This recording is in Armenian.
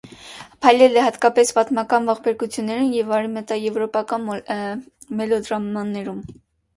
Փայլել է հատկապես պատմական ողբերգություններում և արևմտաեվրոպական մելոդրամաներում։